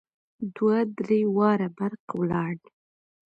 دوه درې واره برق ولاړ.